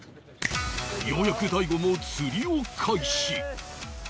ようやく大悟も釣りを開始